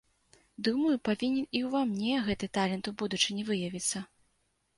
Думаю, павінен і ўва мне гэты талент у будучыні выявіцца.